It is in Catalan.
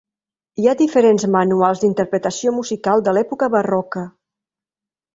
Hi ha diferents manuals d'interpretació musical de l'època barroca.